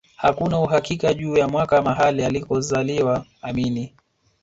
Hakuna uhakika juu ya mwaka mahali alikozaliwa Amin